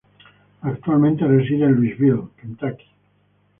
Actualmente reside en Louisville, Kentucky.